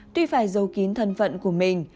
tuy phải giấu kín thân phận của mình